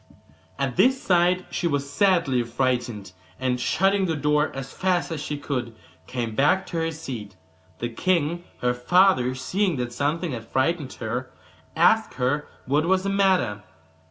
At this sight she was sadly frightened, and shutting the door as fast as she could came back to her seat. The king, her father, seeing that something had frightened her, asked her what was the matter.